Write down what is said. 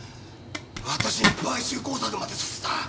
私に買収工作までさせた！